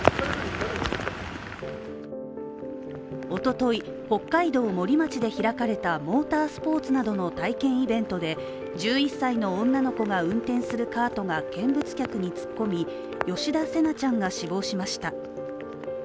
おととい、北海道森町で開かれたモータースポーツなどの体験イベントで１１歳の女の子が運転するカートが見物客に突っ込み吉田成那ちゃんが死亡しました。